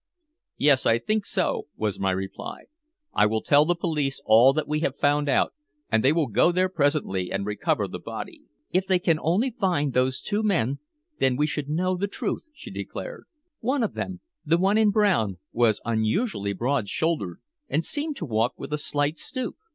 "Yes, I think so," was my reply. "I will tell the police all that we have found out, and they will go there presently and recover the body." "If they can only find those two men, then we should know the truth," she declared. "One of them the one in brown was unusually broad shouldered, and seemed to walk with a slight stoop."